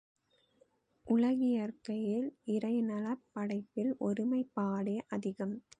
உலகியற்கையில் இறைநலப் படைப்பில் ஒருமைப்பாடே அதிகம்.